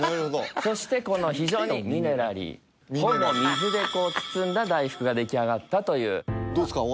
そしてこの非常にミネラリーほぼ水で包んだ大福が出来上がったというどうですか？